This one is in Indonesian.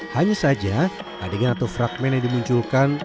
hanya saja adegan atau fragment yang dimunculkan